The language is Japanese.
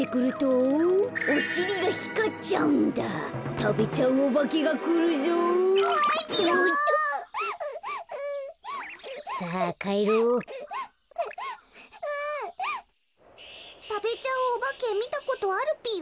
たべちゃうおばけみたことあるぴよ？